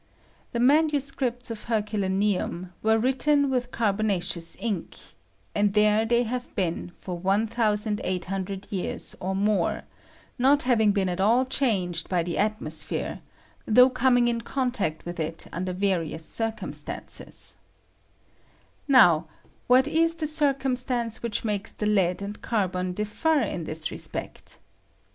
The man icripts of Herculanenra were written with car ^ CAKBON WAITS IN ITS ACTION. 181 bonaeeous ink, and there they have been for 1800 years or more, not having been at all changed by the atmospliere, though coming in contact with it under various circumstances. Now, what is the circumstance which makes the lead and carbon differ in this respect?